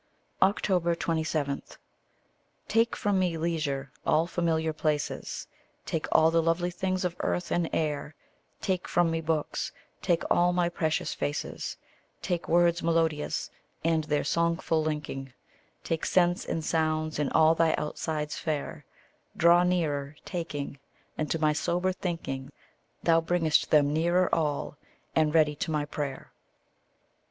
27. Take from me leisure, all familiar places; Take all the lovely things of earth and air Take from me books; take all my precious faces; Take words melodious, and their songful linking; Take scents, and sounds, and all thy outsides fair; Draw nearer, taking, and, to my sober thinking, Thou bring'st them nearer all, and ready to my prayer.